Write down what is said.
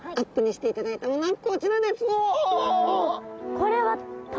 これは棘？